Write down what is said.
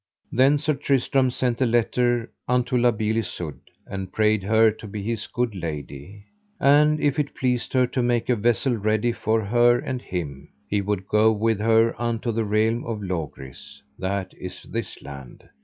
Then Sir Tristram sent a letter unto La Beale Isoud, and prayed her to be his good lady; and if it pleased her to make a vessel ready for her and him, he would go with her unto the realm of Logris, that is this land.